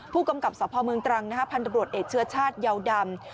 ผู้กำกับสพเมืองตรังพันธบรวจเอกเชื้อชาติเยาวดำ